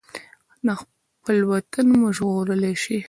خپل وخت مو ژغورلی شئ.